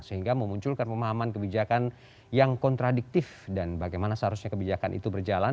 sehingga memunculkan pemahaman kebijakan yang kontradiktif dan bagaimana seharusnya kebijakan itu berjalan